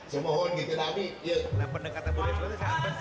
semoga berhasil tapi pendekatan budaya sudah sangat penting